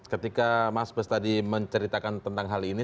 ketika mas bes tadi menceritakan tentang hal ini